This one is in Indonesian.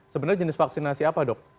sebenarnya jenis vaksinasi apa dok